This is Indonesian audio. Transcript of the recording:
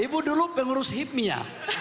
ibu dulu pengurus hibmi ya